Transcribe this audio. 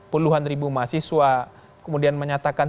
puluhan ribu mahasiswa kemudian menyatakan